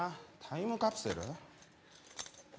タイムカプセル？